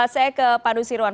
saya ke pak nusirwan